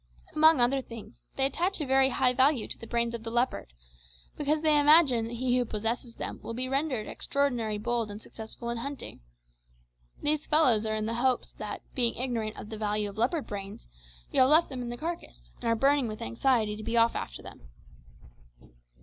Among other things, they attach a very high value to the brains of the leopard, because they imagine that he who possesses them will be rendered extraordinarily bold and successful in hunting. These fellows are in hopes that, being ignorant of the value of leopard brains, you have left them in the carcass, and are burning with anxiety to be off after them."